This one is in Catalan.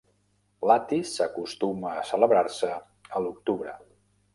"Lattice" acostuma a celebrar-se a l'octubre.